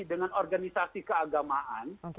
dengan organisasi keagamaan